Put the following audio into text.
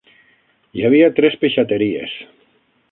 Hi havia tres peixateries.